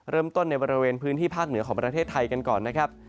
ในบริเวณพื้นที่ภาคเหนือของประเทศไทยกันก่อนนะครับ